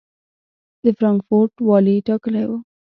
د فرانکفورټ والي ټاکلی و.